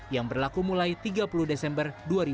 yang berlaku mulai tiga puluh desember dua ribu dua puluh